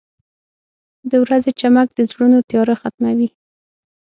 • د ورځې چمک د زړونو تیاره ختموي.